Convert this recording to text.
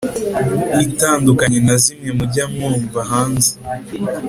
itandukanye nazimwe mujya mwumva hanze